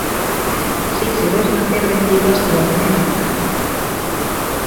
Siksi Rosina tervehtii Vaskilahden emäntää.